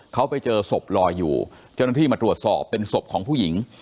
เขาไปเจอศพลอยอยู่เจ้าหน้าที่มาตรวจสอบเป็นศพของผู้หญิง